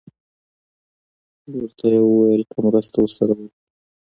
ورته یې وویل که مرسته ورسره وکړي.